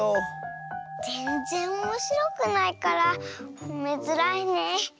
ぜんぜんおもしろくないからほめづらいね。